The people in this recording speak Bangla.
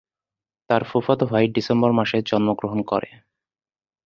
তার ফুফাতো ভাই ডিসেম্বর মাসে জন্মগ্রহণ করে।